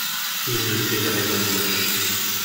Il ne s’est jamais renié.